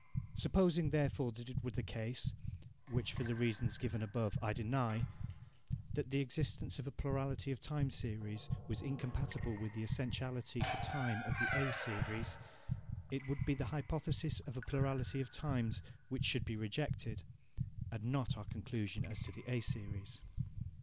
Supposing therefore that it were the case (which, for the reasons given above, I deny) that the existence of a plurality of time series was incompatible with the essentiality for time of the A series, it would be the hypothesis of a plurality of times which should be rejected, and not our conclusion as to the A series.